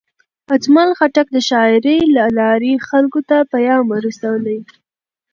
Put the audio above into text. اجمل خټک د شاعرۍ له لارې خلکو ته پیام رسولی.